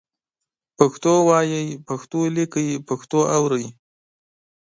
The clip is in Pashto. پښتو وایئ، پښتو لیکئ، پښتو اورئ